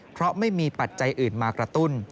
เพราะไม่มีปัจจัยอื่นมากระตุ้น